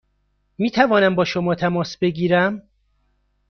می توانم با شما تماس بگیرم؟